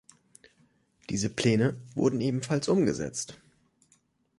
Diese Pläne wurden ebenfalls umgesetzt.